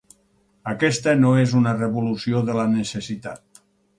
Aquesta no és una revolució de la necessitat.